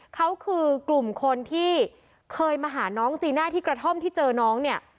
เขาคือกลุ่มคนที่เคยมาหาน้องจีน่าที่กระท่อมที่เจอน้องเนี่ย